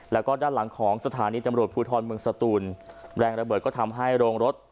แล้วก็ด้านหลังของสถานีตำรวจภูทรเมืองสตูนแรงระเบิดก็ทำให้โรงรถ